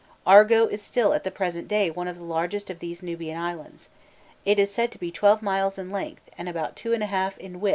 Argo is still at the present day one of the largest of these Nubian islands:* it is said to be 12 miles in length, and about 2 1/2 in width towards the middle.